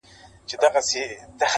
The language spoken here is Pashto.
• اور د میني بل نه وي بورا نه وي -